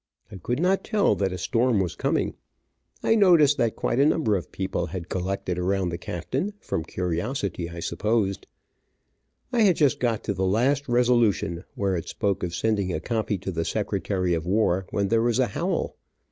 I could not tell that a storm was coming. I noticed that quite a number of people had collected around the captain, from curiosity, I supposed. I had just got to the last resolution where it spoke of sending a copy to the secretary of war, when there was a howl.